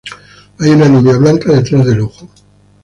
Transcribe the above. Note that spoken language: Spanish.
Hay una línea blanca detrás del ojo.